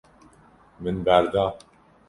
Min berda.